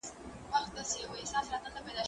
زه کولای شم دا کار وکړم،